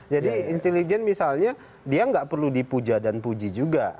jadi intelijen misalnya dia enggak perlu dipuja dan puji juga